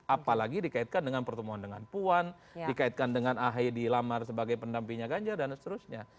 apalagi dikaitkan dengan pertemuan dengan puan dikaitkan dengan ahy di lamar sebagai pendampingnya ganjar dan seterusnya